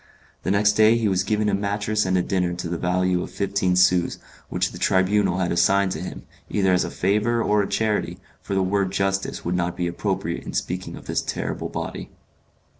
The next day he was given a mattress and a dinner to the value of fifteen sous, which the Tribunal had assigned to him, either as a favour or a charity, for the word justice would not be appropriate in speaking of this terrible body.